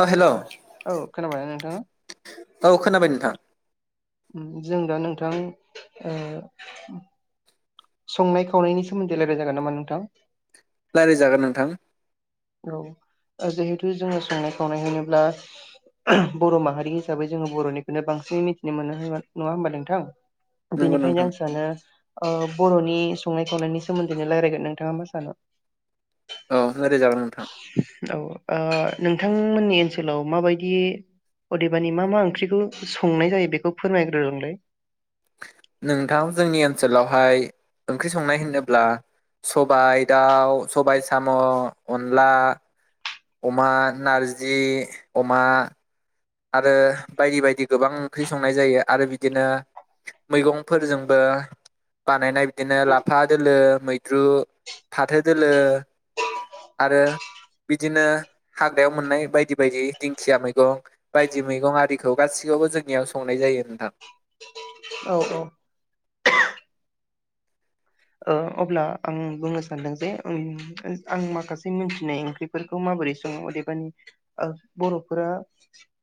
अ hello औ औ खोनाबायना नोंथाङा? खोनाबाय नोंथां। उम जों दा नोंथां ओ संनाय खावनायनि सोमोन्दै रायलाय जागोन नामा नोंथां? रायलाय जागोन नोंथां। औ जिहेथु जोङो संनाय खावनाय होनोब्ला बर' माहारि हिसाबै जोङो बर'निखौनो बांसिनै मिथिनो मोनो नङा होमबा नोंथां नंगौ बेनिखायनो नोंथां आं सानो ओ बर'नि संनाय खावनायनि सोमोन्दैनो रायलायगोन नोंथाङा मा सानो? अह हो औ ओ नोंथांमोननि ओनसोलाव माबायदि अदेबानि मा मा ओंख्रिखौ संनाय जायो बेखौ फोरमायग्रोलांलाय। नोंथां जोंनि ओनसोलावहाय ओंख्रि संनाय होनोब्ला सबाय दाउ, सबाय साम', अनला अमा नारजि, अमा आरो बायदि बायदि गोबां ओंख्रि संनाय जायो आरो बिदिनो मैगंफोरजोंबो बानायनाय बिदिनो लाफा दोलो मैद्रु, फाथो दोलो आरो बिदिनो हाग्रायाव मोननाय बायदि बायदि दिंखिया मैगं। बायदि मैगं आरिखौ गासिखौबो जोंनियाव संनाय जायो नोंथां। औ औ। ओ अब्ला आं बुंनो सानदों जे ओं आं माखासे मिन्थिनाय ओंख्रिफोरखौ माबोरै सङो अदेबानि ओ बर'फोरा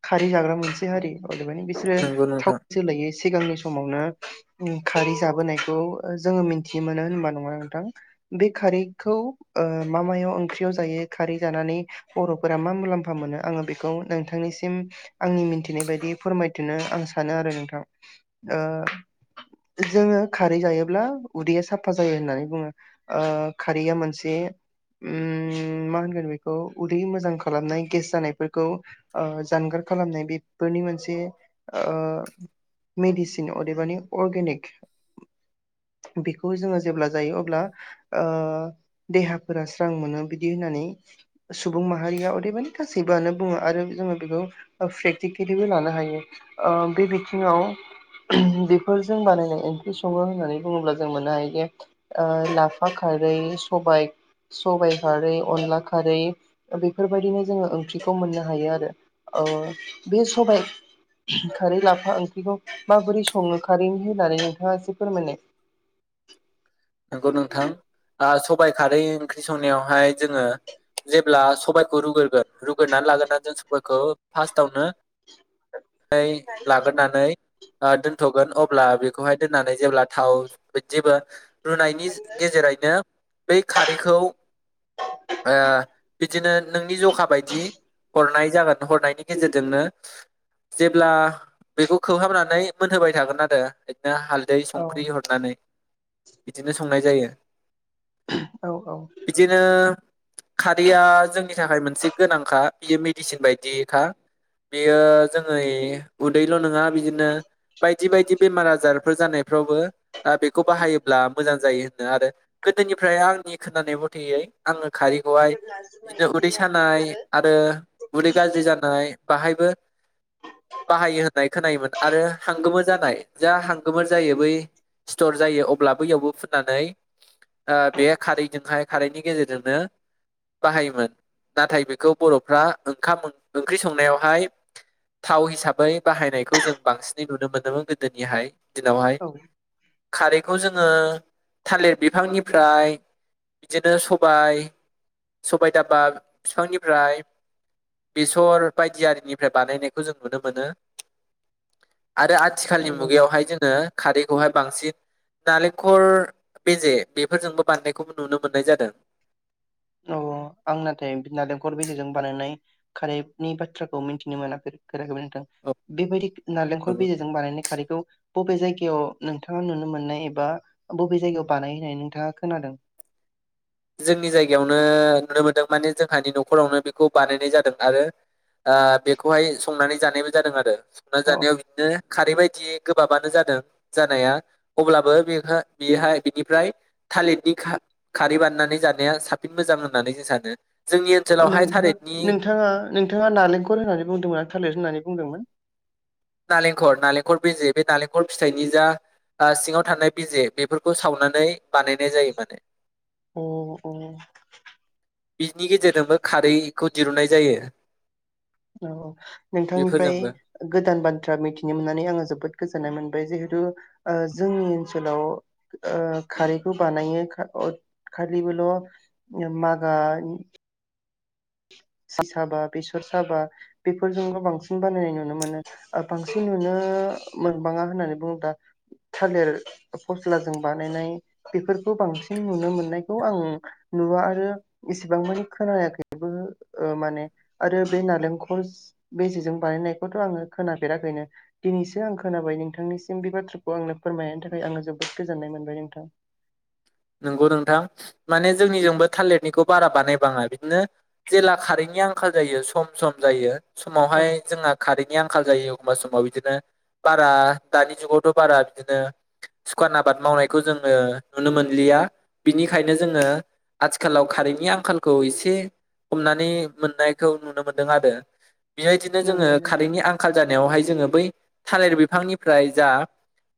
खारै जाग्रा मोनसे हारि बानि बिसोरो नंगौ थाव नोंथां सोलायै सिगांनि समावनो खारै जाबोनायखौ जोङो मिन थि मोनो होनबा नङा नोंथां, बे खारैखौ ओ मा मायाव ओंख्रियाव जायो खारै जानानै बर'फोरा मा मुलाम्फा मोनो आङो बेखौ नोंथांनिसिम आंनि मिन्थिनाय बायदि फोरमायथिनो आं सानो आरो नोंथां ओ जोङो खारै जायोब्ला उदैया साफा जायो होननानै बुङो ओ खारैया मोनसे उम मा होनगोन बेखौ उदै मोजां खालामनाय गेस जानायफोरखौ ओ जानगार खालामनाय बेफोरनि मोनसे ओ मेडिसिन अदेबानि अर्गेनिक। बेखौ जोङो जेब्ला जायो अब्ला ओ देहाफोरा स्रां मोनो बिदि होननानै सुबुं माहारिया अदेबानि गासैबोआनो बुङो आरो जोङो बेखौ प्रेकटिकेलिबो लानो हायो ओ बे बिथिङाव बेफोरजों बानायनाय ओंख्रि सङो होननानै बुङोब्ला जों मोननो हायो जे ओ लाफा खारै सबाय सबाय खारै, अनला खारै बेफोरबायदिनो जोङो ओंख्रिखौ मोननो हायो आरो ओ बे सबाय खारै, लाफा ओंख्रिखौ माबोरै सङो खारै होनानै नोंथाङा एसे फोरमायनाय। [inaudible] नोंगौ नोंथां ओ सबाय खारै ओंख्रि संनायावहाय जोङो जेब्ला सबायखौ रुग्रोगोन रुग्रोनानै लाग्रोना जों सबायखौ फार्स्टावनो नै लाग्रोनानै ओ दोन्थ'गोन अब्ला बेखौहाय दोननानै जेब्ला थाव बिदिबो रुनायनि गेजेरैनो बै खारैखौ ओ बिदिनो नोंनि जखा बायदि हरनाय जागोन हरनायनि गेजेरजोंनो जेब्ला बेखौ खोबहाबनानै मोनहोबाय थागोन आरो बिदिनो हालदै औ संख्रि हरनानै संनाय जायो। औ औ बिदिनो खारैया जोंनि थाखाय मोनसे गोनांखा बियो मेदिसिन बायदिखा बियो जोङै उदैल' नङा बिदिनो बायदि बायदि बेमार आजारफोर जानायफ्रावबो दा बेखौ बाहायो ब्ला मोजां जायो होनदो आरो गोदोनिफ्राय आंनि खोनानाय मथेयै आङो खारैखौहाय बिदिनो उदै सानाय आरो उदै गाज्रि जानाय बाहायबो बाहायो होननाय खोनायोमोन आरो हांगोमोर जानाय जा हांगोमोर जायो बै स्टर जायो अब ब्ला बैयावबो फुनानानै ओ बे खारैजोंहाय खारैनि गेजेरजोंनो बाहायोमोन नाथाय बेखौ बर'फ्रा ओंखाम ओंख्रि संनायावहाय थाव हिसाबै बाहायनायखौ जों बांसिनै नुनो मोनोमोन गोदोनिहाय। दिनावहाय औ खारै खौ जोङो थालिर बिफांनिफ्राय बिदिनो सबाय, सबाय दाबा फिफांनिफ्राय बेसर बायदि आरिनिफ्राय बानायनायखौ जों नुनो मोनो। आरो आथिखालनि नंगौ नंगौ मुगायावहाय जोङो खारैखौहाय बांसिन नालेंखर बेजे बेफोरजोंबो बानायनायखौबो नुनो मोननाय जादों। अह आं नाथाय नालेंखर बेेजेजों बानायनाय खारैनि बाथ्राखौ मिन्थिनो मोनाखै। [unintelligible] नोंथां बेबायदि नालेंखर बेजेजों बानायनाय खारैखौ बबे जायगायाव नोंथाङा नुनो मोननाय एबा बबे जायगायाव बानायहोनाय नोंथाङा खोनादों? जोंनि जायगायावनो नुनो मोनदों माने जोंहानि न'खरावनो बेखौ बानायनाय जादों आरो आ बेखौहाय संनानै जानायबो जादों आरो । संना औ जानायाव बिदिनो खारै बादि गोबाबानो जादों जानाया अब्लाबो बेवहो बेहाय बिनिफ्राय थालिरनि खा-खारै बाननान नै जानाया साबसिन मोजां होननानै जों सानो । अ नोंथाङा नोंथाङा नोंथाङा नालेंखर होननानै बुंदोंमोन थालिर होननानै बुंदोंमोन? नालेंखर नालेंखर बिजे बे नालेंखर फिथाइनि जा आ सिङाव थानाय बिजे बेफोरखौ सावनानै बानायनाय जायो माने अ अ। बिनि गेजेरजोंबो खारैखौ दिरुननाय जायो । औऔ नोंथांनिफ्राय गोदान बाथ्रा मिथिनो मोननानै आङो जोबोद गोजोननाय मोनो । बै जिहेतु ओ जोंनि ओनसोलाव ओ खारैखौ बानायो खा अ खारैबोल ओ मागा साबा बेसर साबा बेफोरजोंल बांसिन बानायनाय नुनो मोनो ओ बांसिन नुनो मोनबाङा होननानै बुङोबा थालिर फस्लाजों बानायनाय बेफोरखौ बांसिन नुनो मोननायखौ आं नुवा आरो इसिबां मानि खोनायाखैबो ओ माने आरो बे नालेंखल बेजेजों बानायनायखौथ' आङो खोनाफेराखैनो दिनैसो आं खोनाबाय नोंथांनिसिम बे बाथ्राखौ आंनो फोरमायनायनि थाखाय आङो जोबोद गोजोननाय मोनबाय नोंथां । नंगौ नोंथां माने जोंनिजोंबो थालिरनिखौ बारा बानायबाङा बिदिनो जेला खारैनि आंखाल जायो सम सम जायो। औ समावहाय जोंहा खारैनि आं खाल जायो एखमबा समाव बिदिनो बारा दानि जुगावथ' बारा बिदिनो सुखान आबाद मावनायखौ जोङो नुनो मोन लिया बिनिखायनो जोङो आथिखालाव खारैनि आंखालखौ एसे हमनानै मोननायखौ नुनो मोनदों आरो । बेबायदिनो जोङो नंगौ नोंथां। खारेन्टनि आंखाल जानायावहाय जोङो बै थालिर बिफांनिफ्राय जा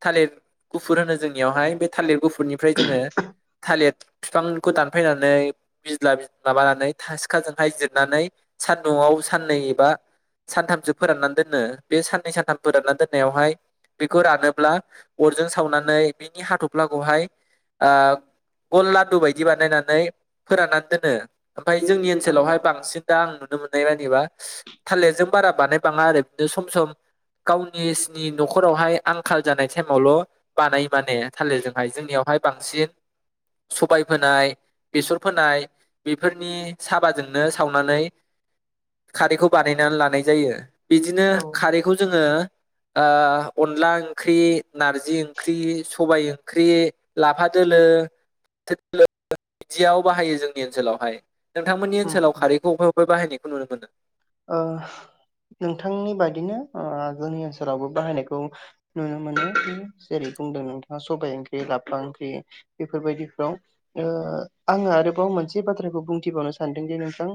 थालिर गुफुर होनो जोंनियावहाय बे थालिर गुफुरनि जोङो थालिर बिफांखौ दानफायनानै बिज्ला- बिज्ला माबानानै सिखाजोंहाय जिरनानै सानदुंआव साननै एबा सानथामसो फोराननानै दोनो बे साननै सानथाम फोराननानै दोननायावहाय बेखौ रानोब्ला अरजों सावनानै बिनि हाथ'फ्लाखौहाय आ गल लादु बायदि बानायनानै फोराननानै दोनो । ओमफ्राय जोंनि औ ओनसोलावहाय औ बांसिन दा आं नुनो मोननाय बा एबा थालिरजों बारा बानाय बांआ सम सम गावसिनि नखरावहाय आंखाल जानाय टाइमाल' बानायो माने थालिर जोंहाय जोंनियाव बांसिन सबाय फोनाय बेसर फोनाय बेफोरनि साबाजोंनो सावनानै खारैखौ बानायनानै लानाय जायो । बिदिनो औ खारैखौ जोङो आ अनला ओंख्रि नारजि ओंख्रि सबाय ओंख्रि । लाफा दोलो फाथो दोलो बिदियाव बाहायो जोंनि ओनसोलावहाय । नोंथांमोननि ओनसोलाव उम खारैखौ बबेबा बबेबा बाहायनायखौ नुनो मोनो? ओ नोंथांनि बादिनो ओ जोंनि ओनसोलावबो बाहायनायखौ नुनो मोनो जेरै बुंदों नोंथाङा सबाय ओंख्रि लाफा ओंख्रि बेफोरबायदिफ्राव ओ आङो आरोबाव मोनसे बाथ्राखौ बुंथिबावनो सानदों जे नोंथां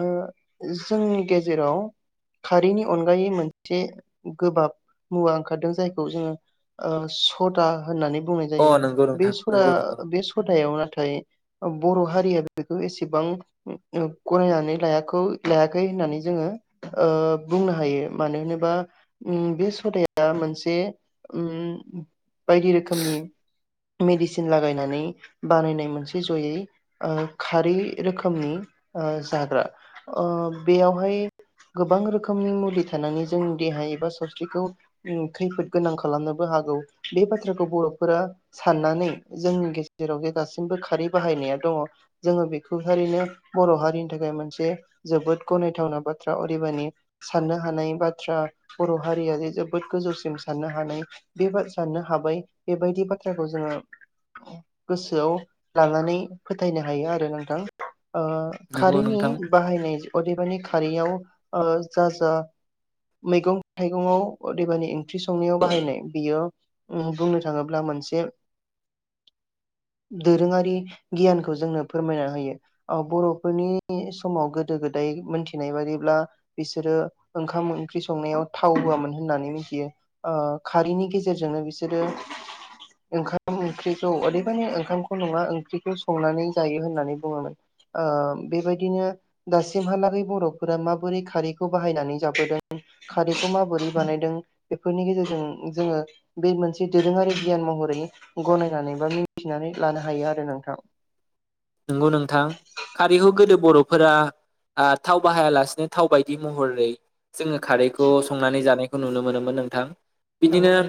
ओ जोंनि गेजेराव खारैनि अनगायै मोनसे गोबाब मुवा ओंखारदों जायखौ जोङो होननानै बुंनाय अ जायो नंगौ बे नोंथां सदा नंगौ नंगौ बे सदायाव नाथाय ओ बर' हारिया बेखौ एसेबां ओ औ गनायनानै लायाखै लायाखै होननानै जोङो ओ बुंनो हायो मानो होनोबा उम बे सदाया मोनसे उम बायदि रोखोमनि मेडिसिन लागायनानै बानायनाय मोनसे जयै ओ खारै रोखोमनि ओ जाग्रा । अ बेयाव बेहाय गोबां रोखोमनि मुलि थानानै जोंनि देहा एबा सावस्रिखौ खैफोद गोनां खालामनोबो हागौ बे बाथ्राखौ बर'फोरा साननानै जोंनि गेजेराव जे दासिमबो खारै बाहायनाया दङ जोङो बेखौ थारैनो बर' हारिनि थाखाय मोनसे जोबोद गनाय थावना बाथ्रा ओरैबानि साननो हानाय बाथ्रा बर' हारिया जे जोबोद गोजौसिम साननो हानाय बे साननो हाबाय बेबायदि बाथ्राखौ जोङो गोसोआव लानानै फोथायनो हायो आरो नोंथां । ओ नंगौ नोंथां खारैनि बाहायनाय अदेबानि [unintelligible] जा जा मैगं थाइगङाव अदेबानि ओंख्रि संनायाव बाहायनाय बियो ओ बुंनो थाङोब्ला मोनसे दोरोङारि गियानखौ जोंनो फोरमायना होयो ओ बर'फोरनि समाव गोदो गोदाय मोनथि मिथिनाय बादिब्ला बिसोरो ओंखाम ओंख्रि संनायाव थाव होआमोन होननानै मिथियो ओ खारैनि गेजेरजोंनो बिसोरो ओंखाम ओंख्रिखौ ओरैबानि ओंखामखौ नङा ओंख्रिखौ संनानै जायो होननानै बुङोमोन। ओ बेबायदिनो दासिमहालागै बर' फोरा माबोरै खारैखौ बाहायनानै जाबोदों खारैखौ माबोरै बानायदों। बेफोरनि गेजेरजों जोङो बे मोनसे दोरोङारि गियान महरै गनायनानै बा मिथिनानै लानो हायो आरो नोंथां। नंगौ नोंथां खारैखौ गोदो बर'फोरा ओ थाव बाहायालासिनो थाव बायदि महरै जोङो खारैखौ संनानै जानाय खौ नुनो मोनोमोन नोंथां। औ बिदिनो औ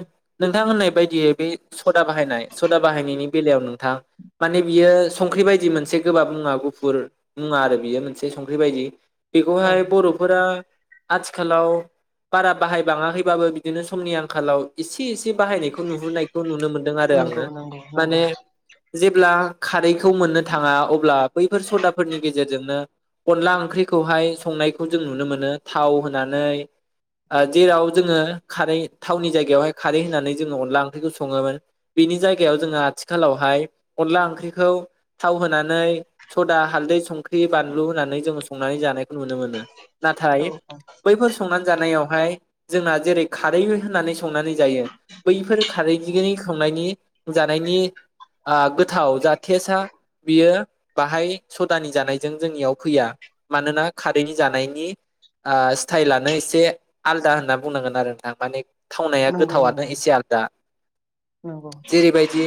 नोंथां होननाय बायदियै बे सदा बाहायनाय सदा बाहायनायनि बेलायाव नोंथां माने बियो संख्रि बाय दि मोनसे गोबाब मुङा गुफुर मुवा आरो बियो मोनसे संख्रि बायदि। औ बेखौहाय बर'फोरा आथिखालाव बारा बाहायबाङाखैबाबो बिदिनो समनि आंखालाव एसे एसे एसे बाहायनायखौ नुहुरनायखौ नुनो मोनदों आरो नंगौ आङो नंगौ नंगौ माने जेब्ला खारैखौ मोननो थाङा अब्ला बैफोर सदाफोरनि गेजेरजोंनो अनला ओंख्रिखौहाय संनायखौ जों नुनो मोनो थाव होनानै आ जेराव जोङो खारै थावनि जायगायावहाय खारै होनानै जोङो अनला ओंख्रिखौ सङोमोन, बिनि जायगायाव जोङो आथिखालावहाय अनला ओंख्रिखौ थाव होनानै सदा हालदै संख्रि बानलु होनानै जोङो संनानै जानाय नुनो मोनो औ नाथाय बैफोर संनानै जानायाव हाय जोंना जेरै खारै होननानै संनानै जायो बैफोर खारैैनि संनायनि जानायनि ओ गोथाव जा थेसाआ बियो बाहाय सदानि जानायजों जोंनियाव फैया। मानोना खारैनि जानायनि ओ स्टाइलानो एसे आलदा होनना बुंनांगोन आरो ना माने थावनाया नंगौ गोथावानो नंगौ एसे आलदा। नंगौ जेरै बायदि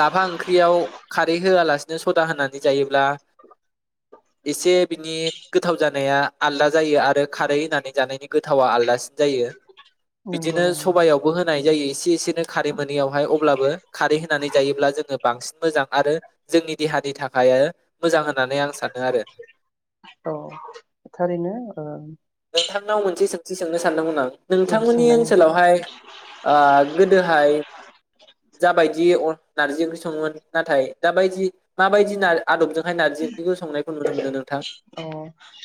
लाफा ओंख्रियाव खारै होआलासे नो सदा होनानै जायो ब्ला एसे बिनि गोथाव जा नाया आलादा जायो आरो खारै होननानै जानायनि गोथावा आलादासिन जायो। नंगौ बिदिनो नंगौ सबाइयावबो होनाय जायो एसे एसेनो खारै मोनैयावहाय अ अब्लाबो खारै होनानै जायोब्ला जोङो बांसिन मोजां आरो जोंनि देहानि थाखाय मोजां हो औ थारैनो ओ नाव मोनसे सोंथि सोंनो सानदोंमोन आं। नोंथांमोननि सोंनाय नोंथां ओनसोलावहाय आ गोदोहाय जाबायदि अनलख नारजि ओंख्रि सङोमोन नाथाय दाबायदि माबायदि नार आदबजोंहाय नारजि ओंख्रिखौ संनायखौ नुनो मोनो नोंथां? अ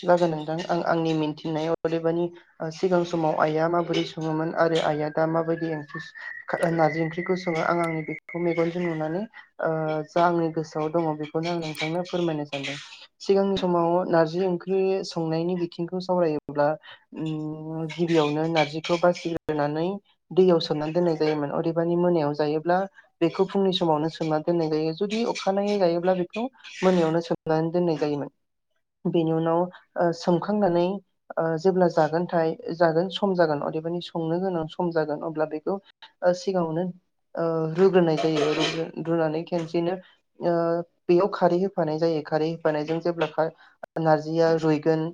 जागोन नोंथां आं आंनि मिन्थिनायाव अदेबानि ओ सिगां समाव आइआ माबोरै सङोमोन आरो आइया दा माबायदिं ओंख्रि नारजि ओंख्रिखौ सङो आं आंनि बेखौ मेगनजों नुनानै ओ जा आंनि गोसोआव दङ बेखौनो आं नोंथांनो फोरमायनो सानदों। सिगांनि समाव नार्जि ओंख्रि संनायनि बिथिंखौ सावरायोब्ला गिबियावनो नार्जिखौ बासिग्रोनानै दैयाव सोमना दोन्नाय जायोमोन। अदेबानि बेखौ फुंनि समावनो सोमनानै दोननाय जायो जुदि अखानायै जायोब्ला बेखौ मोनायावनो सोमनानै दोननाय जायोमोन। बेनि उनाव सोमखांनानै ओ जेब्ला जागोनथाय जागोन सम जागोन अदेबानि संनो गोनां सम जागोन अब्ला बेखौ सिगाङावनो ओ रुग्रोनाय जायो रुनानै खेनसेनो ओ बेयाव खारै होफानाय जायो खारै होफानायजों जेब्ला नारजिया रुइगोन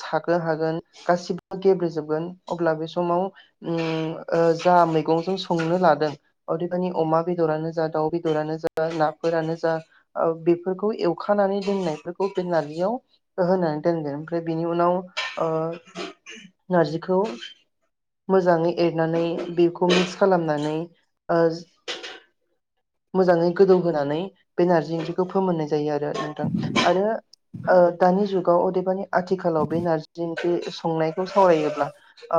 सागो हागोन गासिबो गेब्रेजोबगोन अब्ला बे समाव जा मैगंजों संनो लादों अदेबानि अमा बेदरानो जा दाउ बेदरानो जा नाफोरानो जा बेफोरखौ एवखानानै दोननायफोरखौ बे नारजियाव होनानै दोनदोन ओमफ्राय बेनि उनाव ओ नारजिखौ मोजाङै एरनानै बेखौ मिक्स खालामनानै। मोजाङै गोदौहोनानै बे नार्जि ओंख्रिखौ फोमोननाय जायो आरो नोंथां आरो दानि जुगाव अदेबानि आथिखालाव बे नार्जि ओंख्रि संनायखौ सावरायोब्ला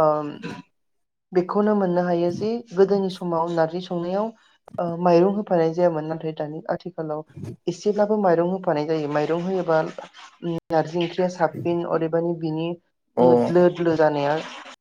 ओ बेखौ नो मोननो हायो जे गोदोनि समाव नारजि संनायाव ओ माइरं होफानाय जायोमोन दानि आथिखालाव एसे बाबो माइरं होफानाय जायो माइरं होयोबा साबसिन अदेबानि बिनि दोली दोलो जानाया